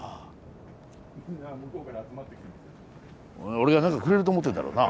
俺が何かくれると思ってんだろうな。